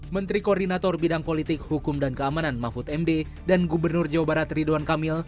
menteri koordinator bidang politik hukum dan keamanan mahfud md dan gubernur jawa barat ridwan kamil